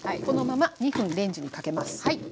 このまま２分レンジにかけます。